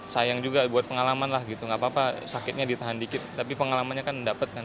sayang juga buat pengalaman lah gitu gapapa sakitnya ditahan dikit tapi pengalamannya kan dapet kan